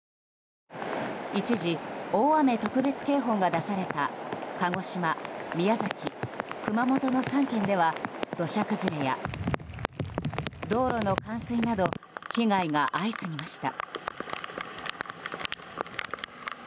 一時、大雨特別警報が出された鹿児島、宮崎、熊本の３県では土砂崩れや道路の冠水など被害が相次ぎました。